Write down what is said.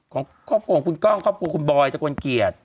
ของครอบครัวของคุณก้องครอบครัวคุณบอยตะกลเกียรติ